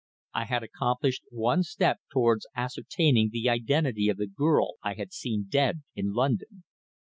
I had accomplished one step towards ascertaining the identity of the girl I had seen dead in London.